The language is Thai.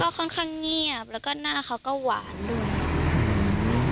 ก็ค่อนข้างเงียบแล้วก็หน้าเขาก็หวานด้วย